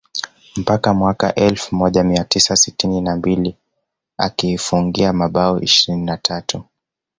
mpaka mwaka elfu moja mia tisa sitini na mbili akiifungia mabao ishirini na tatu